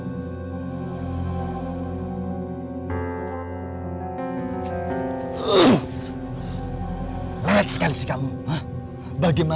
setelah kita sampai singkir kami jadi total